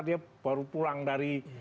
dia baru pulang dari